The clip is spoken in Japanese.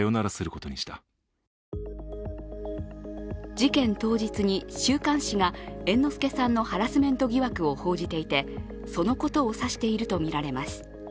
事件当日に週刊誌が猿之助さんのハラスメント疑惑を報じていてそのことを指しているとみられます。